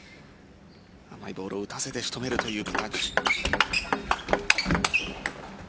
甘いボールを打たせて仕留めるという。